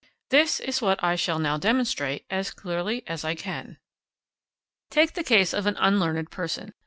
This is what I shall now demonstrate as clearly as I can. Take the case of an unlearned person.